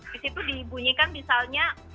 di situ dibunyikan misalnya